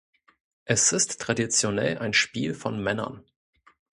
Es ist traditionell ein Spiel von Männern.